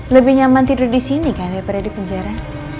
lebih nyaman tidur disini kan daripada di penjara